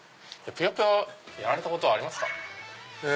『ぷよぷよ』やられたことありますか？